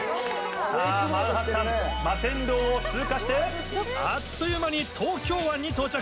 さぁマンハッタン摩天楼を通過してあっという間に東京湾に到着。